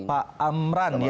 pak amran ya